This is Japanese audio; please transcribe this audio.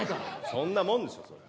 そんなもんでしょそれは。